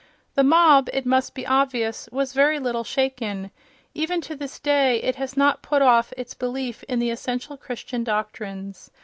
The mob, it must be obvious, was very little shaken; even to this day it has not put off its belief in the essential Christian doctrines.